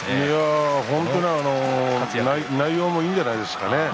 本当に内容もいいんじゃないですか？